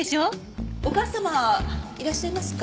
お母様いらっしゃいますか？